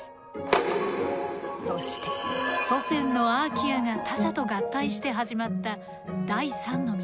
そして祖先のアーキアが他者と合体して始まった第３の道。